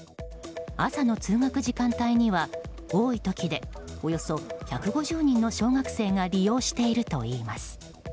朝の通学時間帯には多い時でおよそ１５０人の小学生が利用しているといいます。